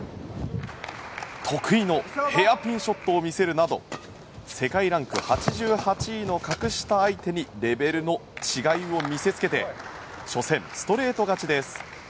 得意のヘアピンショットを見せるなど世界ランク８８位の格下相手にレベルの違いを見せつけて初戦、ストレート勝ちです。